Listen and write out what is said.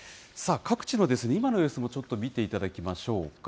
各地の今の様子も、ちょっと見ていただきましょうか。